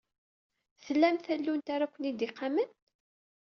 Tlam tallunt ara ken-id-iqamen?